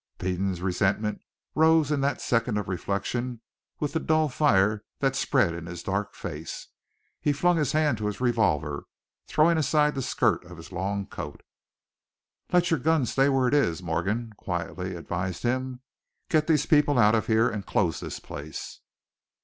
Peden's resentment rose in that second of reflection with the dull fire that spread in his dark face. He flung his hand to his revolver, throwing aside the skirt of his long coat. "Let your gun stay where it is," Morgan quietly advised him. "Get these people out of here, and close this place."